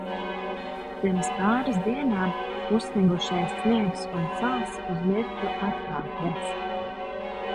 Pirms pāris dienām uzsnigušais sniegs un sals uz mirkli atkāpies.